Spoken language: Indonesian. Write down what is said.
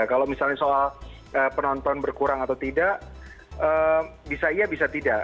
kalau misalnya soal penonton berkurang atau tidak bisa iya bisa tidak